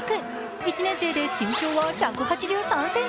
１年生で身長はなんと１８３ｃｍ。